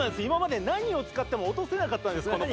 今まで何を使っても落とせなかったんです